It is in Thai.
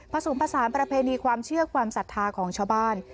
ผสมผสานประเพณีความเชื่อความศรัทธาของชาวบ้าน